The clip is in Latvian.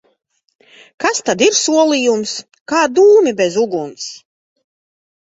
Kas tad ir solījums? Kā dūmi bez uguns!